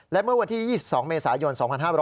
และเมื่อวันที่๒๒เมษายน๒๕๖๐